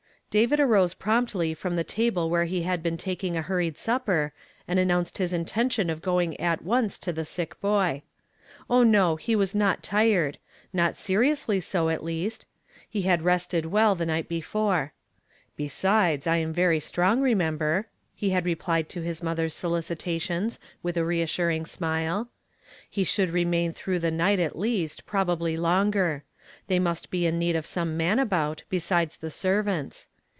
David arose promptly from the table where he had been taking a hurried supper, and announced his intention of going at once to the sick boy. ( )h, no, he was not tired ; not seriously so, at least. He had rested well the night before. " Besides, I am very strong, remember," he had replied to his mother's solicitations, with a reassuring smile. He should remain through the night at least, prob ably longer; they must be in need of some man about, besides the servants.